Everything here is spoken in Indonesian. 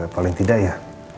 paling tidak ya